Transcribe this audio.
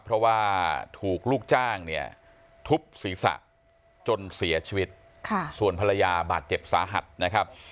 เพราะว่าถูกลูกจ้างเนี่ยทุบศีรษะจนเสียชีวิตส่วนภรรยาบาดเจ็บสาหัสนะครับ